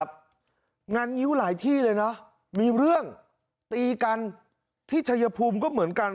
งานงิ้วหลายที่เลยนะมีเรื่องตีกันที่ชัยภูมิก็เหมือนกัน